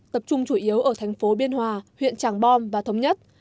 tập trung chủ yếu ở thành phố biên hòa huyện tràng bom và thống nhất